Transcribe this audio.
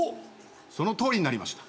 そのとおりになりました。